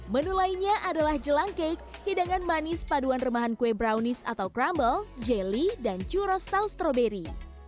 menu lainnya adalah jelang cake hidangan manis paduan remahan kue brownies atau crumble jelly dan churos tau stroberi